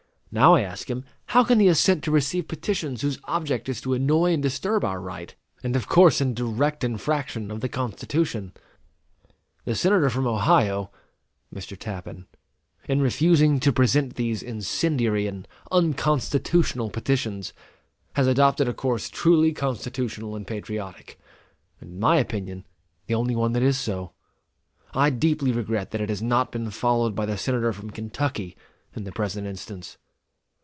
Now I ask him, how can he assent to receive petitions whose object is to annoy and disturb our right, and of course in direct infraction of the Constitution? The Senator from Ohio [Mr. Tappan], in refusing to present these incendiary and unconstitutional petitions, has adopted a course truly constitutional and patriotic, and in my opinion, the only one that is so. I deeply regret that it has not been followed by the Senator from Kentucky in the present instance.